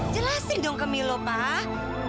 jelasin dong ke milu pak